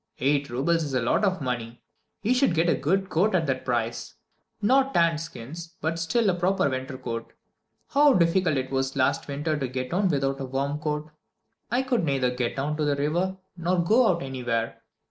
Eight roubles is a lot of money he should get a good coat at that price. Not tanned skins, but still a proper winter coat. How difficult it was last winter to get on without a warm coat. I could neither get down to the river, nor go out anywhere.